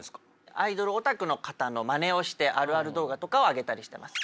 アイドルオタクの方のまねをしてあるある動画とかを上げたりしてます。